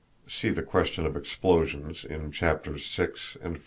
(See the question of explosions in Chapters 6 and 14).